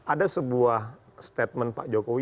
ada sebuah statement pak jokowi